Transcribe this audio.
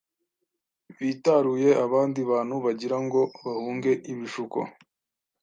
Bitaruye abandi bantu bagira ngo bahunge ibishuko.